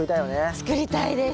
作りたいです！